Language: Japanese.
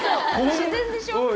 自然でしょ。